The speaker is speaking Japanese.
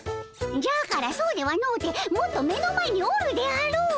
じゃからそうではのうてもっと目の前におるであろう！